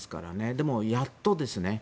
でも、やっとですね。